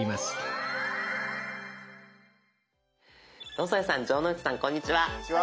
「野添さん城之内さんこんにちは」。